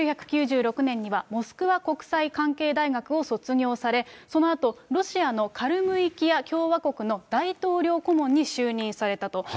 １９９６年には、モスクワ国際関係大学を卒業され、そのあと、ロシアのカルムイキア共和国の大統領顧問に就任されたと。